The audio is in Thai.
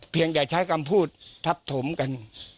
เพียงได้ใช้ความพูดทับทมกัน